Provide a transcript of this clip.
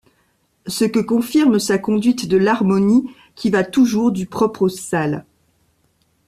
Ce que confirme sa conduite de l'harmonie, qui va toujours du propre au sale.